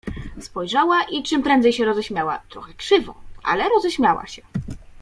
Spojrzała i czym prędzej się roześmiała, trochę krzywo, ale roześmiała się.